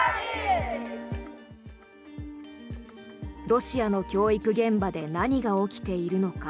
ロシアの教育現場で何が起きているのか。